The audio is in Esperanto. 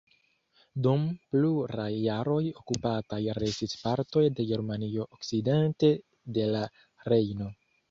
Dum pluraj jaroj okupataj restis partoj de Germanio okcidente de la Rejno.